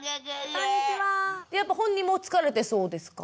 やっぱ本人も疲れてそうですか？